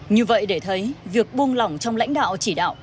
như vậy để thấy việc buông lỏng trong lãnh đạo chỉ đạo